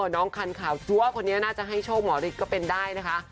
น้องคันขาวซัวคนนี้น่าจะให้โชคหมอฤทธิ์ก็เป็นได้นะคะ